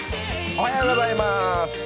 おはようございます。